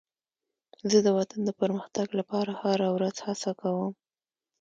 زه د وطن د پرمختګ لپاره هره ورځ هڅه کوم.